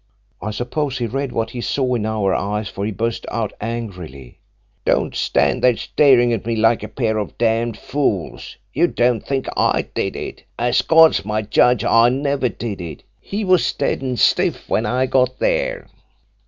I suppose he read what he saw in our eyes, for he burst out angrily, 'Don't stand staring at me like a pair of damned fools. You don't think I did it? As God's my judge, I never did it. He was dead and stiff when I got there.'